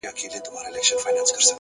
پرمختګ له کوچنیو ګامونو جوړېږي،